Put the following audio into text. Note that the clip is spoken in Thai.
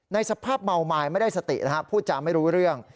สภาพเมาไม้ไม่ได้สตินะครับพูดจาไม่รู้เรื่อง